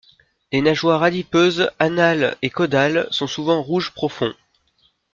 Les nageoires adipeuse, anale et caudale sont souvent rouge profond.